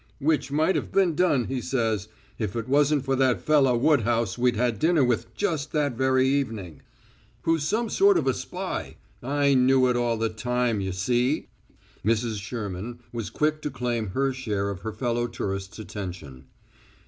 Which might have been done, he says, if it wasn't for that fellah Woodhouse we'd had dinner with just that very evening." "Who's some sort of a spy. I knew it all the time, you see." Mrs. Sherman was quick to claim her share of her fellow tourists' attention.